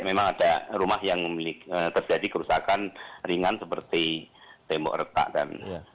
memang ada rumah yang terjadi kerusakan ringan seperti tembok retak dan